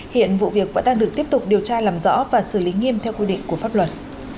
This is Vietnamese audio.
hiện vụ việc vẫn đang được tiếp tục điều tra làm rõ và xử lý nghiêm theo quy định của pháp luật